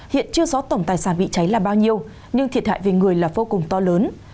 hiện chưa có tổng tài sản bị cháy là bao nhiêu nhưng thiệt hại về người là vô cùng to lớn